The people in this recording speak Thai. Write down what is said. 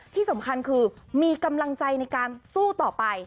ที่สำคัญคือมีกำลังใจในการสู้ต่อไป